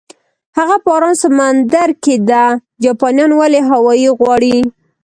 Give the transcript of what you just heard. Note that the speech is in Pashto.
هغه په ارام سمندر کې ده، جاپانیان ولې هاوایي غواړي؟